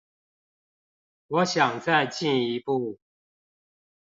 我想再進一步